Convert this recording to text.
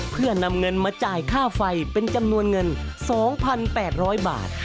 เพื่อนำเงินมาจ่ายค่าไฟเป็นจำนวนเงิน๒๘๐๐บาท